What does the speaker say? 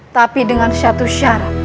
tapi dengan satu syarat